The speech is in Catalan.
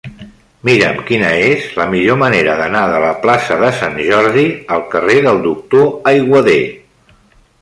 Mira'm quina és la millor manera d'anar de la plaça de Sant Jordi al carrer del Doctor Aiguader.